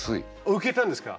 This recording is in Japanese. ウケたんですか？